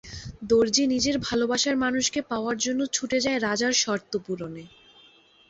দর্জি নিজের ভালোবাসার মানুষকে পাওয়ার জন্য ছুটে যায় রাজার শর্ত পূরণে।